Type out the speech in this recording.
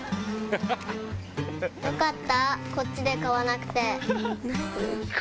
よかった、こっちで買わなくて。